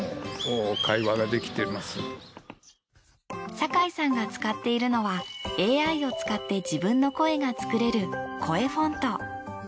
酒井さんが使っているのはＡＩを使って自分の声が作れるコエフォント。